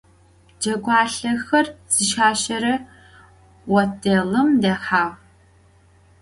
Cegualhexer zışaşere votdêlım dehağ.